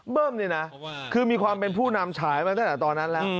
เนี่ยนะคือมีความเป็นผู้นำฉายมาตั้งแต่ตอนนั้นแล้ว